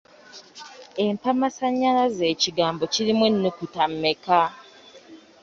Empamasannyalaze ekigambo kirimu ennyukuta mmeka?